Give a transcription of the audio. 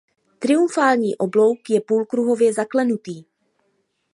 Triumfální oblouk je půlkruhově zaklenutý.